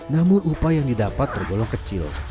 namun upah yang didapat tergolong kecil